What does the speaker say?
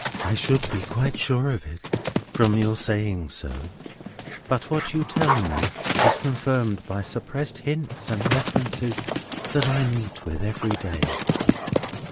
"I should be quite sure of it, from your saying so; but what you tell me is confirmed by suppressed hints and references that I meet with every day."